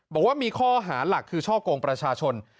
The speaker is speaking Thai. บอกว่ามีข้อหาหลักคือช่อกงประชาชน